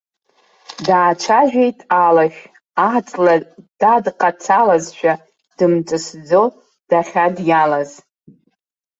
Даацәажәеит алашә, аҵла дадҟацалазшәа дымҵысӡо дахьадиалаз.